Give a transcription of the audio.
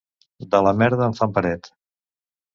De la merda en fan paret.